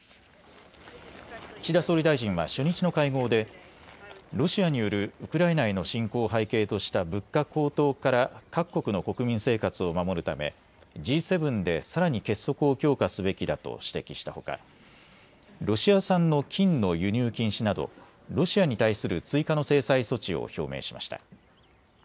岸田総理大臣は初日の会合でロシアによるウクライナへの侵攻を背景とした物価高騰から各国の国民生活を守るためＧ７でさらに結束を強化すべきだと指摘したほかロシア産の金の輸入禁止などロシアに対する追加の制裁措置を表明しました。